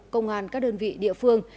công an các đơn vị địa phương